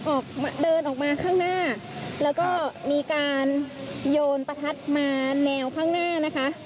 ออกเดินออกมาข้างหน้าแล้วก็มีการโยนประทัดมาแนวข้างหน้านะคะ